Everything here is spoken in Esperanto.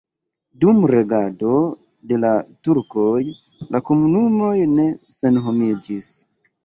Dum regado de la turkoj la komunumoj ne senhomiĝis.